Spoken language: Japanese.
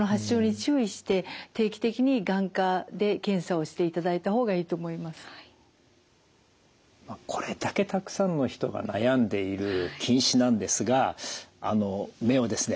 そしてこれだけたくさんの人が悩んでいる近視なんですがあの目をですね